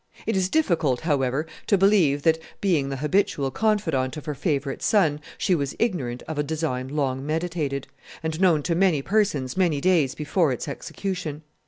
It is difficult, however, to believe that, being the habitual confidant of her favorite son, she was ignorant of a design long meditated, and known to many persons many days before its execution.